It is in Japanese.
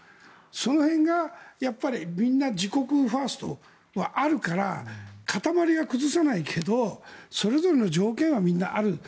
その辺がみんな自国ファーストはあるから固まりは崩さないけどそれぞれの条件はみんなある。